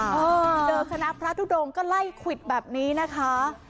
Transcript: เจอคณะพระทุดงก็ไล่ควิดแบบนี้นะคะ